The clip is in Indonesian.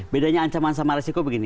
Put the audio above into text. bedanya ancaman sama resiko begini